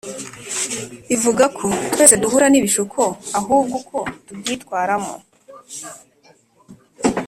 ivuga ko twese duhura n ibishuko ahubwo uko tubyitwaramo.